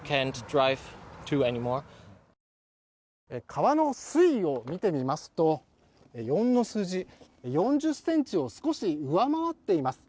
川の水位を見てみますと４０ｃｍを少し上回っています。